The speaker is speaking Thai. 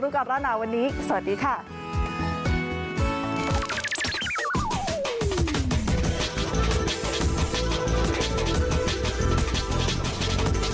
หรือในวันที่อยู่ตรงนี้เหรอคะ